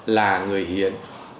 là người hiến